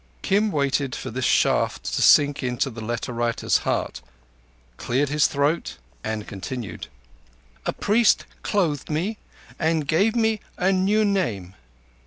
_" Kim waited for this shaft to sink into the letter writer's heart, cleared his throat, and continued: "_A priest clothed me and gave me a new name